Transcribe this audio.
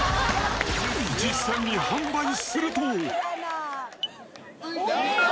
実際に販売すると。